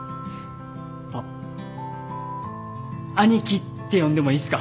あっアニキって呼んでもいいっすか？